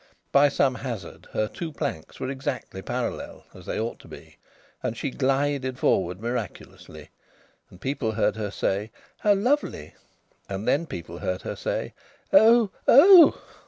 By some hazard her two planks were exactly parallel, as they ought to be, and she glided forward miraculously. And people heard her say: "How lovely!" And then people heard her say: "Oh!... Oh!"